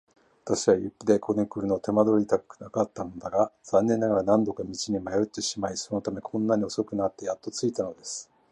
私は雪でここにくるのを手間取りたくなかったのだが、残念ながら何度か道に迷ってしまい、そのためにこんなに遅くなってやっと着いたのです。